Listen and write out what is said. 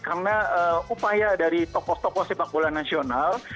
karena upaya dari tokoh tokoh sepak bola nasional